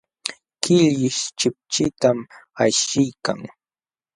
Killish chipchitam ashiykan.